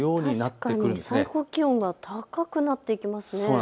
確かに最高気温が高くなっていきますね。